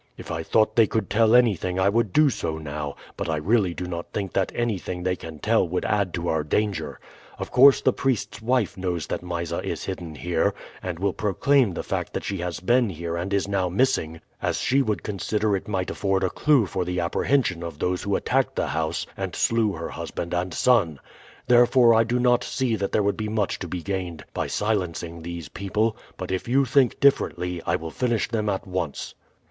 If I thought they could tell anything I would do so now; but I really do not think that anything they can tell will add to our danger. Of course the priest's wife knows that Mysa is hidden here, and will proclaim the fact that she has been here and is now missing, as she would consider it might afford a clew for the apprehension of those who attacked the house and slew her husband and son; therefore I do not see that there would be much to be gained by silencing these people; but if you think differently I will finish them at once."